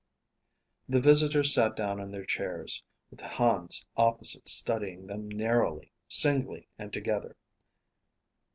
The visitors sat down in their chairs, with Hans opposite studying them narrowly; singly and together.